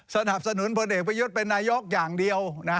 สนับสนุนพลเอกประยุทธ์เป็นนายกอย่างเดียว